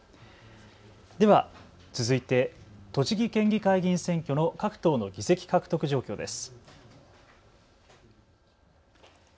では、続いて、栃木県議会議員選挙の各党の議席獲得状況です。